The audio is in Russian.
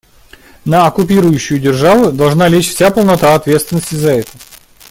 На оккупирующую державу должна лечь вся полнота ответственности за это.